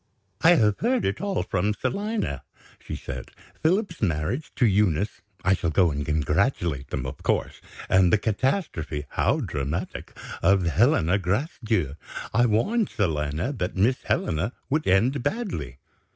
"I have heard it all from Selina," she said. "Philip's marriage to Eunice (I shall go and congratulate them, of course), and the catastrophe (how dramatic!) of Helena Gracedieu. I warned. Selina that Miss Helena would end badly.